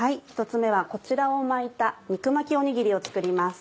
１つ目はこちらを巻いた「肉巻きおにぎり」を作ります。